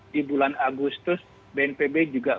di bulan agustus bnpb juga